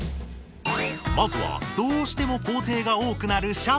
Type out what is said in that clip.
まずはどうしても工程が多くなるシャツ。